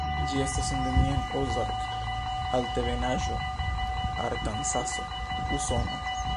Ĝi estas endemia en Ozark-Altebenaĵo, Arkansaso, Usono.